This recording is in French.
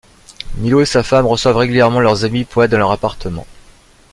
Milo et sa femme reçoivent régulièrement leurs amis poètes dans leur appartement.